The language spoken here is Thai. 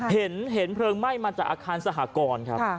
เห็นเพลิงไหม้มาจากอาคารสหกรครับ